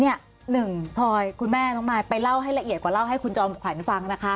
หนึ่งพลอยคุณแม่น้องมายไปเล่าให้ละเอียดกว่าเล่าให้คุณจอมขวัญฟังนะคะ